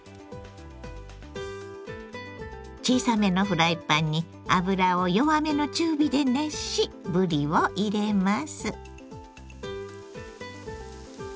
小さめのフライパンに油を弱めの中火で熱しぶりを入れます。